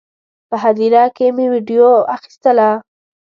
په هدیره کې مې ویډیو اخیستله.